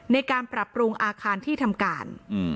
ในการปรับปรุงอาคารที่ทำการ